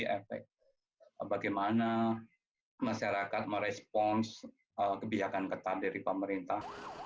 efek bagaimana masyarakat merespons kebijakan ketat dari pemerintah